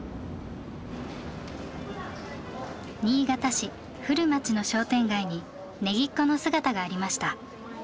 新潟市古町の商店街にＮｅｇｉｃｃｏの姿がありました。